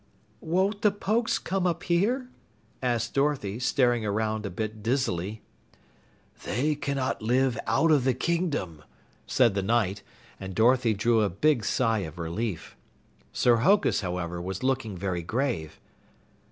"Won't the Pokes come up here?" asked Dorothy, staring around a bit dizzily. "They cannot live out of the kingdom," said the Knight, and Dorothy drew a big sigh of relief. Sir Hokus, however, was looking very grave.